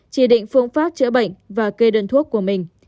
chỉ định phương pháp chữa bệnh và kê đơn thuốc của mình